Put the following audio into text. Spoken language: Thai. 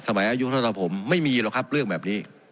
อายุเท่ากับผมไม่มีหรอกครับเรื่องแบบนี้